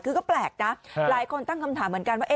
คือก็แปลกนะหลายคนตั้งคำถามเหมือนกันว่า